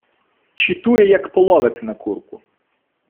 Чїтує, як половик на курку.